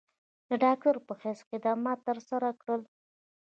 د ډاکټر پۀ حېث خدمات تر سره کړل ۔